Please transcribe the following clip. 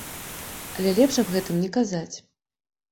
Але лепш аб гэтым не казаць.